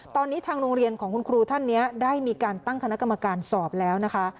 ตอนนี้ทางโรงเรียนของคุณครูท่านนี้ได้มีการตั้งคณะกรรมการสอบแล้วนะคะ